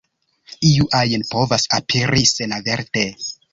Iu ajn povas aperi senaverte.